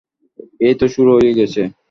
এইতো শুরু হয়ে গেছে।